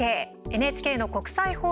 ＮＨＫの国際放送